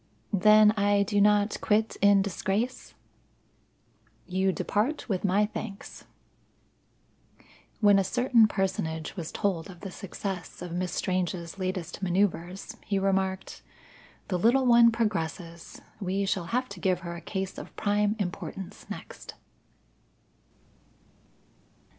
"Then I do not quit in disgrace?" "You depart with my thanks." When a certain personage was told of the success of Miss Strange's latest manoeuvre, he remarked: "The little one progresses. We shall have to give her a case of prime importance next."